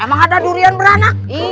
emang ada durian beranak